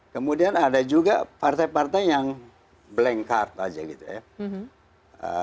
kemudian ada juga partai partai yang blank card aja gitu ya